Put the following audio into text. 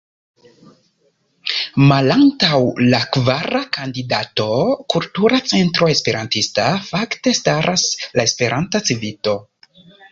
Malantaŭ la kvara kandidato, Kultura Centro Esperantista, fakte staras la Esperanta Civito.